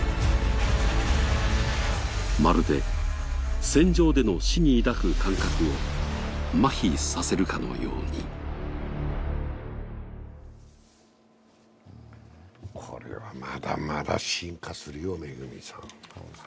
まるで戦場での死に抱く感覚をまひさせるかのようにこれは、まだまだ進化するよ、恵さん。